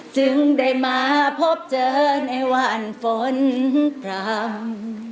จึงได้มาพบเจอในวันฝนพร่ำ